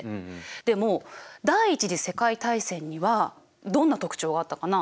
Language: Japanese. でも第一次世界大戦にはどんな特徴があったかな？